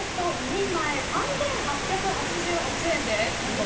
２人前、３８８８円です。